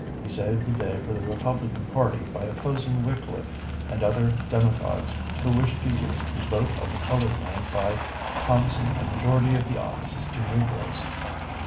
He saved the day for the Republican party by opposing Wickliffe and other demagogues who wished to use the vote of the colored man by promising a majority of the offices to Negroes.